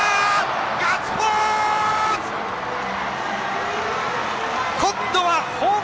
ガッツポーズ。